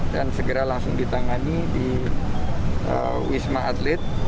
dan segera langsung ditangani di wisma atlet